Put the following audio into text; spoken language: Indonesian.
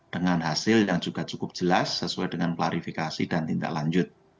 dengan hasil yang juga cukup jelas sesuai dengan klarifikasi dan tindak lanjut